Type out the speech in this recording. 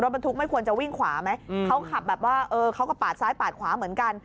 บรรทุกไม่ควรจะวิ่งขวาไหมเขาขับแบบว่าเออเขาก็ปาดซ้ายปาดขวาเหมือนกัน